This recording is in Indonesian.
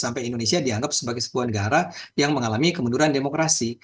sampai indonesia dianggap sebagai sebuah negara yang mengalami kemunduran demokrasi